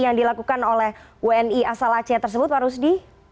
yang dilakukan oleh wni asal aceh tersebut pak rusdi